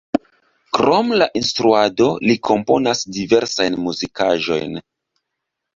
Krom la instruado li komponas diversajn muzikaĵojn.